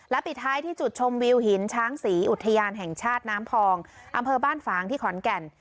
ปิดท้ายที่จุดชมวิวหินช้างศรีอุทยานแห่งชาติน้ำพองอำเภอบ้านฝางที่ขอนแก่น